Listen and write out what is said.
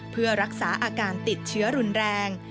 เพื่อรักษาอาการติดเชื้อรุนแรง